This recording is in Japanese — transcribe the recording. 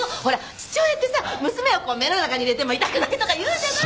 父親ってさ娘をこう目の中に入れても痛くないとかいうじゃない？